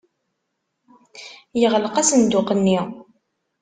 Yeɣleq asenduq-nni.